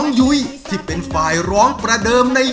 เกิดเสียแฟนไปช่วยไม่ได้นะ